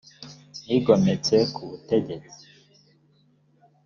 nigometse ku butegetsi